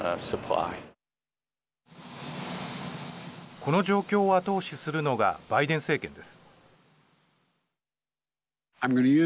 この状況を後押しするのがバイデン政権です。